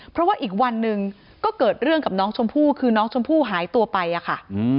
เพราะว่าอีกวันหนึ่งก็เกิดเรื่องกับน้องชมพู่คือน้องชมพู่หายตัวไปอะค่ะ